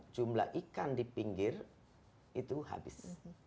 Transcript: jumlah ikan di pinggir itu habis